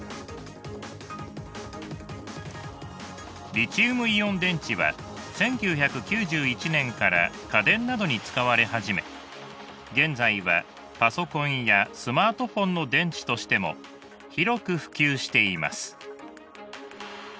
リチウムイオン電池は１９９１年から家電などに使われ始め現在はパソコンやスマートフォンの電池としても広く普及しています。